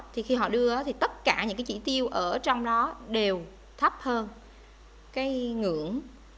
thì khi họ đưa thì tất cả những cái chỉ tiêu ở trong đó đều thấp hơn cái ngưỡng